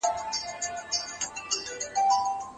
احسان دا دی چې د الله حضور احساس کړې.